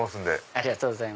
ありがとうございます。